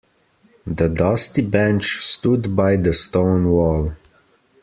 The dusty bench stood by the stone wall.